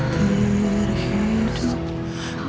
kalau pak pak